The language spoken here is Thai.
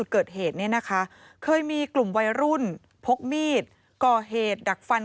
เกิดเหตุเนี่ยนะคะเคยมีกลุ่มวัยรุ่นพกมีดก่อเหตุดักฟัน